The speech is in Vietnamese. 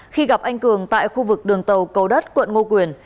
khi gặp anh cường tại khu vực đường tàu cầu đất quận ngô quyền